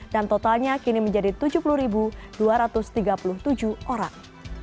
dan totalnya kini menjadi tujuh puluh dua ratus tiga puluh tujuh orang